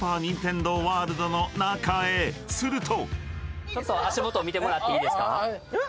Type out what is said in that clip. ［すると］